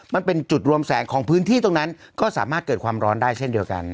มันเป็นจุดรวมแสงของพื้นที่ตรงนั้นก็สามารถเกิดความร้อนได้เช่นเดียวกัน